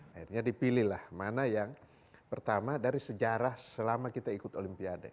akhirnya dipilihlah mana yang pertama dari sejarah selama kita ikut olimpiade